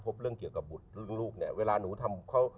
พบเรื่องเกี่ยวกับบุตรเรื่องลูกเนี่ย